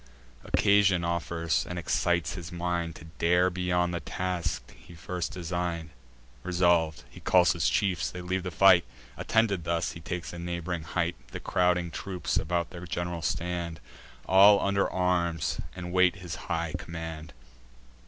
Occasion offers, and excites his mind To dare beyond the task he first design'd. Resolv'd, he calls his chiefs; they leave the fight: Attended thus, he takes a neighb'ring height; The crowding troops about their gen'ral stand, All under arms, and wait his high command.